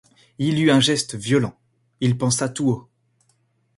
Il eut un geste violent, il pensa tout haut.